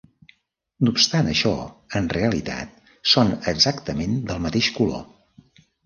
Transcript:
No obstant això, en realitat són exactament del mateix color.